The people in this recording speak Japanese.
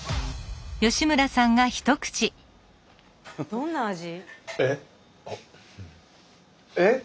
どんな味？